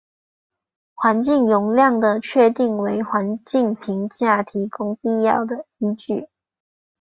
环境容量的确定为环境评价提供必要的依据。